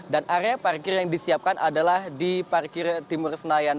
dan area parkir yang disiapkan adalah di parkir timur senayan